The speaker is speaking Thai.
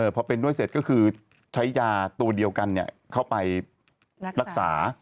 พอเป็นด้วยเสร็จก็คือใช้ยาตัวเดียวกันเข้าไปรักษา